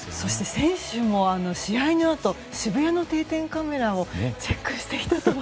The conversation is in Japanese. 選手も試合のあと渋谷の定点カメラをチェックしていたとは。